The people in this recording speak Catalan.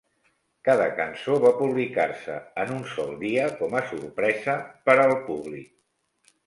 Cada cançó va publicar-se en un sol dia com a sorpresa per al públic.